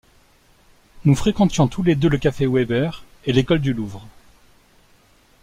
Nous fréquentions tous les deux le café Weber et l’École du Louvre.